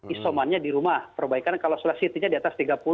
isomannya di rumah perbaikan kalau solasitinya di atas tiga puluh